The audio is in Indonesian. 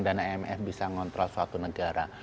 bagi world bank dan imf bisa mengontrol suatu negara